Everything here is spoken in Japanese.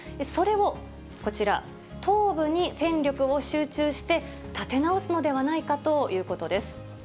それをこちら、東部に戦力を集中して、立て直すのではないかということです。